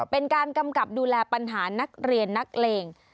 เป็นการกำกับดูแลปัญหานักเรียนนักเล่ง